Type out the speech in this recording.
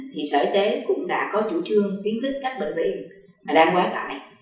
thì sở y tế cũng đã có chủ trương khuyến khích các bệnh viện đang quá tải